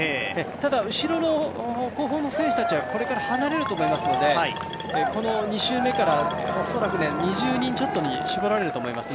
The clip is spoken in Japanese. ただ、後ろの後方の選手たちはこれから離れると思いますのでこの２周目からおそらく２０人ちょっとに絞られると思います。